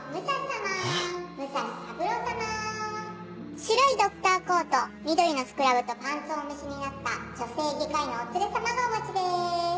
白いドクターコート緑のスクラブとパンツをお召しになった女性外科医のお連れさまがお待ちです。